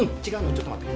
ちょっと待って。